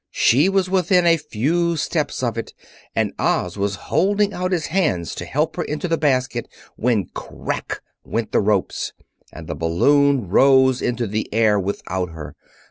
She was within a few steps of it, and Oz was holding out his hands to help her into the basket, when, crack! went the ropes, and the balloon rose into the air without her.